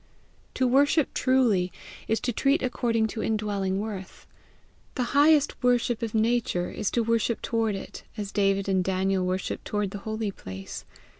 To worship truly is to treat according to indwelling worth. The highest worship of Nature is to worship toward it, as David and Daniel worshipped toward the holy place.